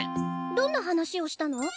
どんな話をしたの？